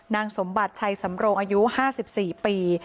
นางสมบัติชัยสำโรงอายุ๕๔ปี